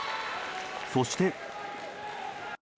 そして。